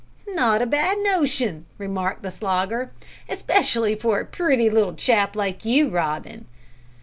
"Not a bad notion," remarked the Slogger; "especially for a pretty little chap like you, Robin."